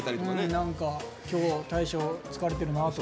何か今日大昇疲れてるなとか。